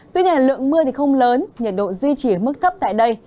tuy nhiên lượng mưa không lớn nhiệt độ duy trì ở mức thấp tại đây